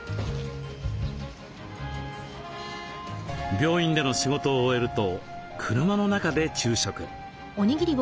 病院での仕事を終えると車の中で昼食。